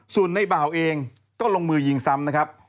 ส่วนในบ่าวเองก็ลงมือยิงซ้ำนะครับ